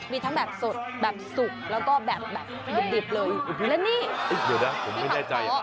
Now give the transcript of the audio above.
มีทั้งแบบสดแบบสุกแล้วก็แบบดิบเลยและนี่เดี๋ยวนะผมไม่แน่ใจ